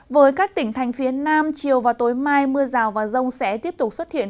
với các tỉnh thành phía nam chiều và tối mai mưa rào và rông sẽ tiếp tục xuất hiện